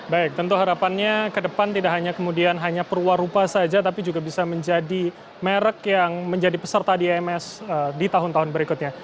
baik tentu harapannya ke depan tidak hanya kemudian hanya perwarupa saja tapi juga bisa menjadi merek yang menjadi peserta di ims di tahun tahun berikutnya